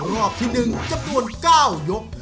รอบที่๑จำนวน๙ยก